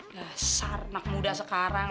dah sarnak muda sekarang